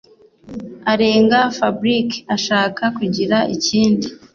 arenga fabric ashaka kugira ikindi